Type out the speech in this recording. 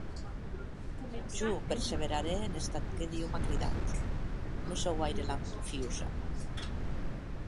Jo perseverarè en estat que Diu m’a cridat; non sò guaire lanfiosa.